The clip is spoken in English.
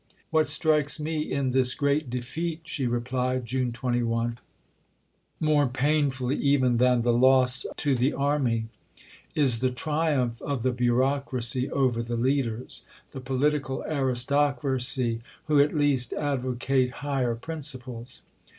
"What strikes me in this great defeat," she replied (June 21), "more painfully even than the loss to the Army is the triumph of the bureaucracy over the leaders the political aristocracy who at least advocate higher principles.